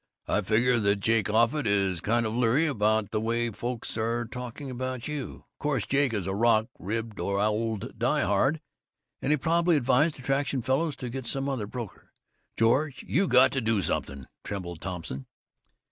"I figure that Jake Offutt is kind of leery about the way folks are talking about you. Of course Jake is a rock ribbed old die hard, and he probably advised the Traction fellows to get some other broker. George, you got to do something!" trembled Thompson.